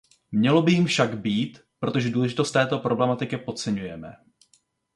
Mělo by jím však být, protože důležitost této problematiky podceňujeme.